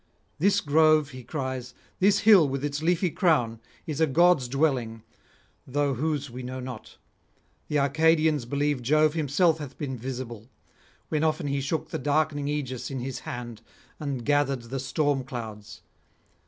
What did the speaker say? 'This grove,' he cries, 'this hill with its leafy crown, is a god's dwelling, though whose we know not; the Arcadians believe Jove himself hath been visible, when often he shook the darkening aegis in his hand and gathered the storm clouds.